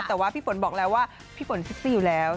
แต่ว่าพี่ฝนบอกแล้วว่าพี่ฝนเซ็กซี่อยู่แล้ว